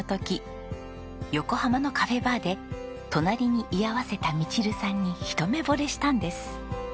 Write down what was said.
横浜のカフェバーで隣に居合わせたミチルさんに一目ぼれしたんです。